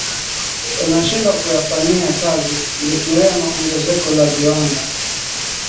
zinashindwa kuyafanyia kazi likiwemo ongezeko la viwanda